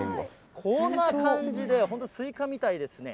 こんな感じで、本当、スイカみたいですね。